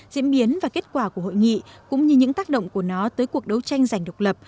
diễn biến và kết quả của hội nghị cũng như những tác động của nó tới cuộc đấu tranh giành độc lập